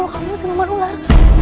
kamu siluman ular